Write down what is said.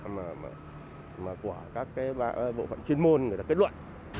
mà của các cái bộ phận chuyên môn người ta kết luận